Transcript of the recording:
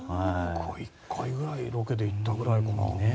１回ぐらいロケで行ったぐらいかな。